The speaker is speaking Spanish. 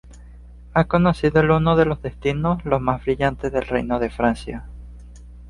Ha conocido el uno de los destinos los más brillantes del reino de Francia.